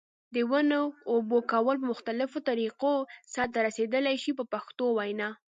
د ونو اوبه کول په مختلفو طریقو سرته رسیدلای شي په پښتو وینا.